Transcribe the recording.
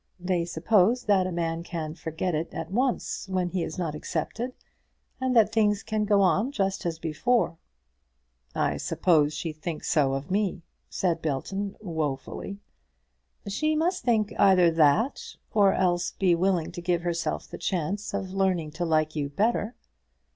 They suppose that a man can forget it at once when he is not accepted, and that things can go on just as before." "I suppose she thinks so of me," said Belton wofully. "She must either think that, or else be willing to give herself the chance of learning to like you better."